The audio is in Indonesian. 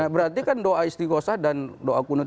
berarti kan doa istiqosah dan doa kunut